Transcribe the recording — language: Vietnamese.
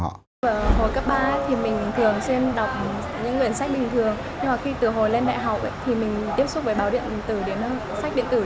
hồi cấp ba thì mình thường xuyên đọc những nguyện sách bình thường